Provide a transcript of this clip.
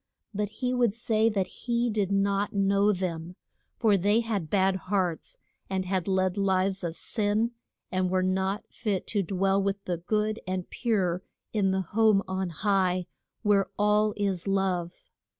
But he would say that he did not know them, for they had bad hearts, and had led lives of sin, and were not fit to dwell with the good and pure in the home on high, where all is love.